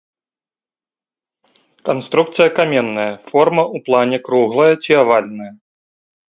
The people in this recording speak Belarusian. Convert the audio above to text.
Канструкцыя каменная, форма ў плане круглая ці авальная.